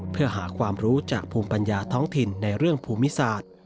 เพื่อหาความรู้จากภูมิปัญญาท้องถิ่นในเรื่องภูมิศาสตร์